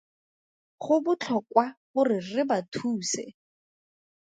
Go botlhokwa gore re ba thuse.